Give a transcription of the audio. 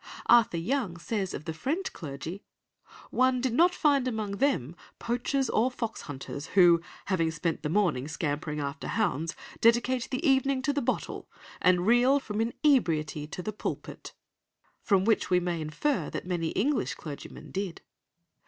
Arthur Young says of the French clergy— "One did not find among them poachers or fox hunters, who, having spent the morning scampering after hounds, dedicate the evening to the bottle, and reel from inebriety to the pulpit," from which we may infer that many English clergymen did.